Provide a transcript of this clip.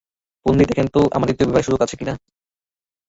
পন্ডিত, দেখেন তো, আমার দ্বিতীয় বিবাহের সুযোগ আছে নাকি?